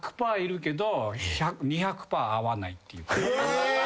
え！